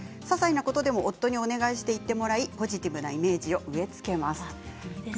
ささいなことでも夫にお願いして言ってもらいポジティブなイメージを植え付けます。